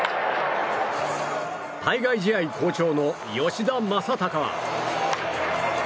海外試合好調の吉田正尚は。